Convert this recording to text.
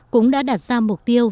cũng đã đạt ra mục tiêu